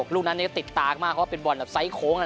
ลูกนั้นติดตามากเพราะเป็นบอลไซด์โค้ง